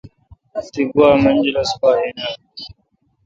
تے گوا منجلس پا این آں؟